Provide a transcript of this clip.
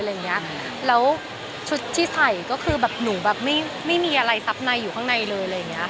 แล้วชุดที่ใส่ก็คือหนูไม่มีอะไรทรัพย์ในอยู่ข้างในเลย